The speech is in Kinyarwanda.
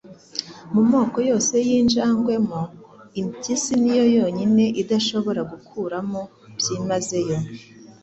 Mu moko yose yinjangwe mo, impyisi niyo yonyine idashobora gukuramo byimazeyo